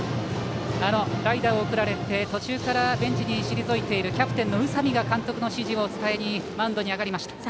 代打を送られて途中からベンチに退いているキャプテンの宇佐美が監督の指示を伝えにマウンドに上がりました。